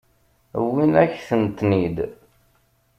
Wwin-akent-ten-id.